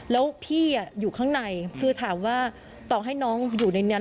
แล้วพี่อยู่ข้างในคือถามว่าต่อให้น้องอยู่ในนั้น